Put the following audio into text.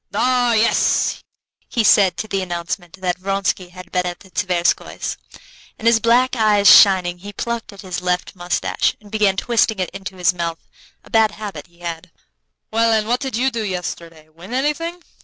"Ah! yes," he said, to the announcement that Vronsky had been at the Tverskoys'; and his black eyes shining, he plucked at his left mustache, and began twisting it into his mouth, a bad habit he had. "Well, and what did you do yesterday? Win anything?"